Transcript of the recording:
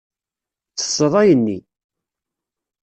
Ttesseḍ ayen-nni.